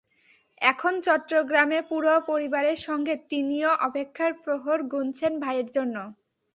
এখন চট্টগ্রামে পুরো পরিবারের সঙ্গে তিনিও অপেক্ষার প্রহর গুনছেন ভাইয়ের জন্য।